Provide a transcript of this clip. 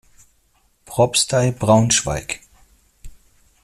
Propstei Braunschweig.